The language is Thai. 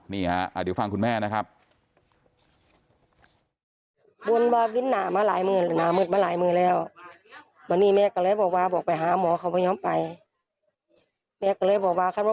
นี่ฮะเดี๋ยวฟังคุณแม่นะครับ